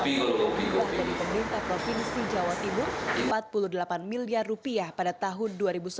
memiliki peningkat provinsi jawa timur empat puluh delapan miliar rupiah pada tahun dua ribu sebelas dua ribu empat belas